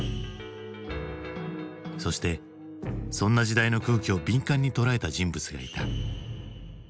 そしてそんな時代の空気を敏感に捉えた人物がいた。